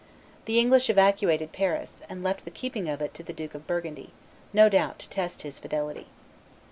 The English evacuated Paris, and left the keeping of it to the Duke of Burgundy, no doubt to test his fidelity.